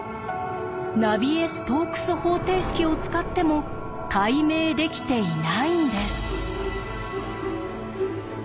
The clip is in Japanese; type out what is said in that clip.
ナビエ・ストークス方程式を使っても解明できていないんです。